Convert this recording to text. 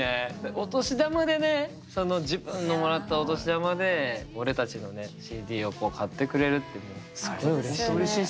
お年玉でねその自分のもらったお年玉で俺たちのＣＤを買ってくれるってもうすごいうれしい。